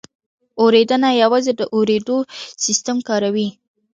اورېدنه یوازې د اورېدو سیستم کاروي